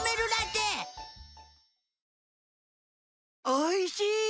おいしい！